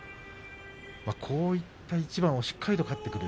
こういった一番をしっかり勝ってくる。